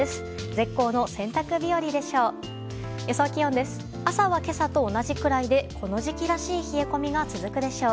絶好の洗濯日和でしょう。